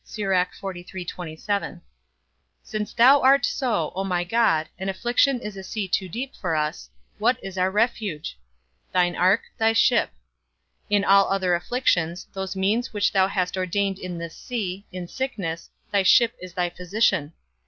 Since thou art so, O my God, and affliction is a sea too deep for us, what is our refuge? Thine ark, thy ship. In all other afflictions, those means which thou hast ordained in this sea, in sickness, thy ship is thy physician.